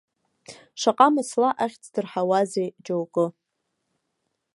Шаҟа мыцла ахьӡ дырҳауазеи џьоукы!